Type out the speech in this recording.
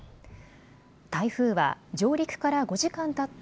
台風は上陸から５時間たった